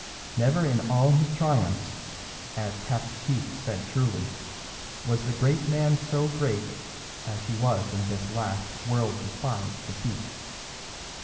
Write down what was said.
Never in all his triumphs, as Captain Keith said truly, was the great man so great as he was in this last world despised defeat.